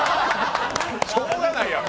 しょうがないやろ。